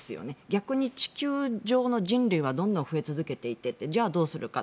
逆に地球上の人類はどんどん増え続けていてじゃあどうするか。